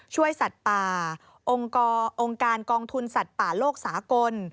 ช่วยสัตว์ป่าองค์กรองค์การกองทุนสัตว์ป่าโลกสากล